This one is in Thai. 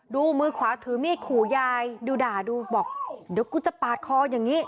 ดูมือขวาถือมีดขู่ยายดูด่าดูบอกเดี๋ยวกูจะปาดคออย่างนี้